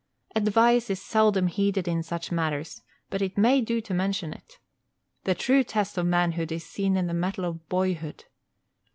Advice is seldom heeded in such matters, but it may do to mention it. The true test of manhood is seen in the mettle of boyhood.